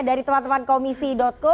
dari teman teman komisi co